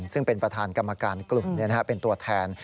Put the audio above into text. ซึ่งเป็นประธานกรรมการกลุ่มเป็นตัวแทน